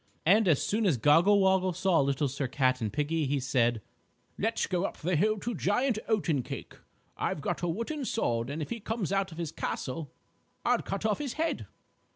And as soon as Goggle Woggle saw Little Sir Cat and Piggie, he said: "Let's go up the hill to Giant Oatencake. I've got a wooden sword and if he comes out of his castle, I'll cut off his head!"